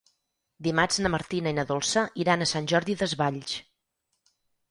Dimarts na Martina i na Dolça iran a Sant Jordi Desvalls.